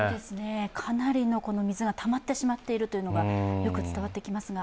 かなりの水がたまってしまっているのがよく伝わってきますが。